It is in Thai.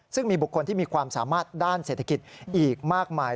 ซึ่งมีบุคคลที่มีความสามารถด้านเศรษฐกิจอีกมากมาย